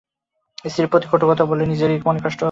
স্ত্রীর প্রতি কটুকথা বলে ফেলে নিজেরই মনে কষ্ট হত।